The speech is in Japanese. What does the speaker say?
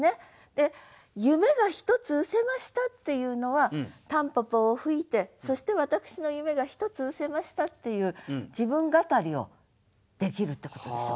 で「夢が一つ失せました」っていうのは蒲公英を吹いてそして私の夢が一つ失せましたっていう自分語りをできるってことでしょ。